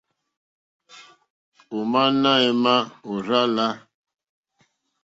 Ò má náɛ̌má ò rzá lā.